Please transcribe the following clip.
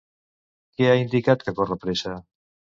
Què ha indicat que corre pressa?